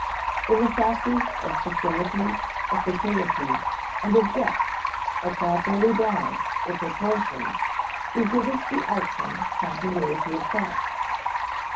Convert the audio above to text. When the factors of facility, of fertility, and of depth are properly balanced or proportioned, we get as the outcome continuity of thought.